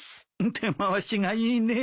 手回しがいいねえ。